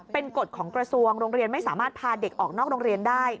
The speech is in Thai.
เป็นกฎของกระทรวงโรงเรียนไม่สามารถพาเด็กออกนอกโรงเรียนได้